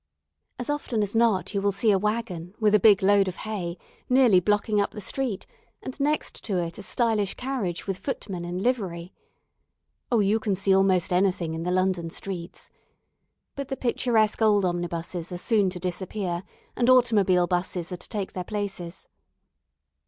As often as not you will see a wagon, with a big load of hay, nearly blocking up the street, and next to it a stylish carriage with footmen in livery. Oh, you can see almost anything in the London streets. But the picturesque old omnibuses are soon to disappear, and automobile 'buses are to take their places.